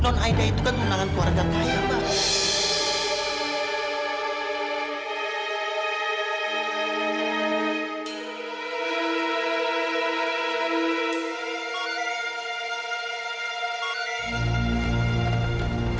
don aida itu kan menangan keluarga kaya mbak